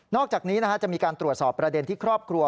อกจากนี้จะมีการตรวจสอบประเด็นที่ครอบครัว